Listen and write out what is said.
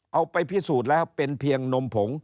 เอาไปพิสูจน์แล้วเป็นเพียงนมผง